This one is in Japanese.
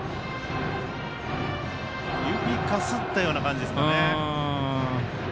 指かすったような感じですかね。